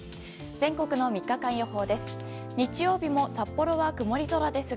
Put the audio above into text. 全国の３日間予報です。